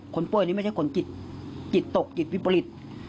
คนป่วยนี่ไม่ใช่คนจิตตกจิตวิปริต